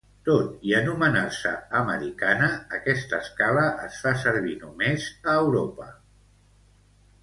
Tot i anomenar-se Americana, aquesta escala es fa servir només a Europa.